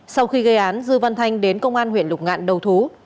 sau khi gây án dư văn thanh đến công an huyện lục ngạn đầu thú